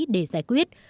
để giải quyết